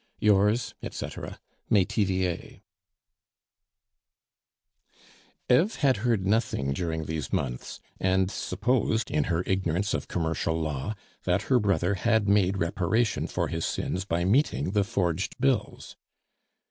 Yours, etc., "METIVIER." Eve had heard nothing during these months, and supposed, in her ignorance of commercial law, that her brother had made reparation for his sins by meeting the forged bills.